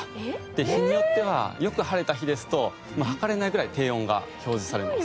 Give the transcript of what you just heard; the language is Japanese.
日によってはよく晴れた日ですと測れないぐらい低温が表示されます。